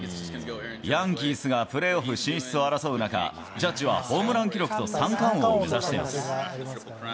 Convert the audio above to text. ヤンキースがプレーオフ進出を争う中、ジャッジはホームラン記録と三冠王を目指しています。